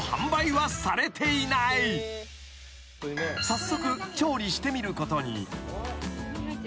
［早速調理してみることに］